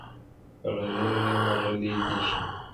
که غږېږي نو غلی دې شي.